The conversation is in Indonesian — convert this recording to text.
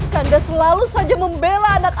kanda selalu saja membela anak anaknya